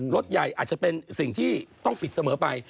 รถใหญ่อาจจะเป็นสิ่งที่ต้องปิดเสมอไป